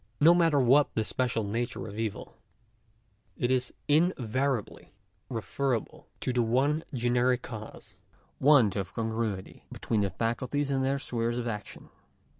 No matter what the special nature of the evil, it is invariably referable to the one generic cause — want of congruity between the faculties and their spheres of action.